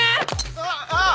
あっああっ！